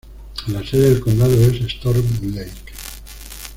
La sede del condado es Storm Lake.